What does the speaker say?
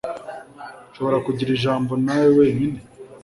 Nshobora kugira ijambo nawe wenyine?